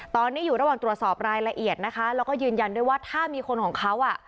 ตอนนี้อยู่ระหว่างตรวจสอบรายละเอียดนะคะแล้วก็ยืนยันด้วยว่าถ้ามีคนของเขาอ่ะ